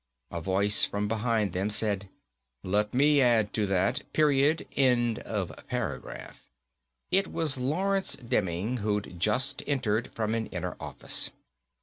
A voice from behind them said, "Let me add to that, period, end of paragraph." It was Lawrence Demming, who'd just entered from an inner office.